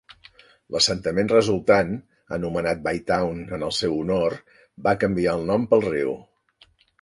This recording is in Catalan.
L'assentament resultant, anomenat Bytown en el seu honor, va canviar el nom pel riu.